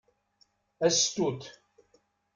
A sstut!